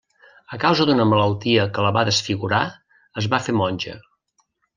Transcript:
A causa d'una malaltia que la va desfigurar, es va fer monja.